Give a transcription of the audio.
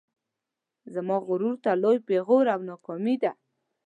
زما غرور ته لوی پیغور او ناکامي ده